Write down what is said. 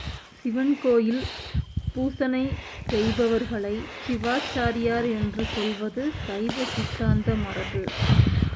சிவன் கோயில் பூசனை செய்பவர்களைச் சிவாச்சாரியார் என்று சொல்வது சைவ சித்தாந்த மரபு.